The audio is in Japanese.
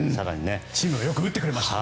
チームもよく打ってくれました。